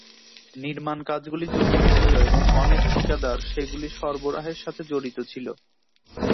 নির্মাণ কাজগুলি জটিল ছিল এবং অনেক ঠিকাদার সেগুলি সরবরাহের সাথে জড়িত ছিল।